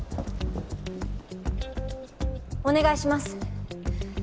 お願いします。